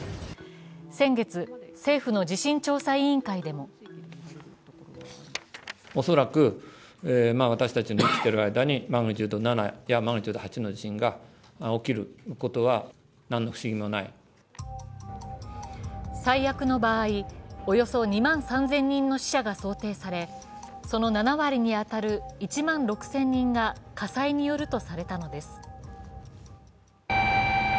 先月、政府の地震調査委員会でも最悪の場合、およそ２万３０００人の死者が想定され、その７割に当たる１万６０００人が火災によるとされたのです。